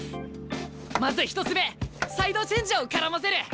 まず１つ目サイドチェンジを絡ませる。